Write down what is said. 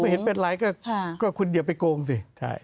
ถ้าไม่เห็นเป็นไรก็คุณเดี๋ยวไปโกงสิ